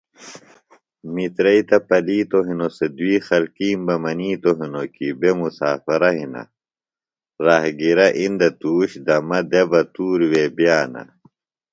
مِترئی تہ پلِتوۡ ہِنوۡ سےۡ دُئیۡ خلکیم بہ منِیتوۡ ہِنوۡ کیۡ بے مُسافرہ ہِنہ، راہگِیرہ اِندیۡ تُوش دمہ دےۡ بہ تُوریۡ وے بئانہ